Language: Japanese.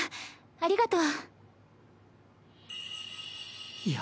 ありがとう。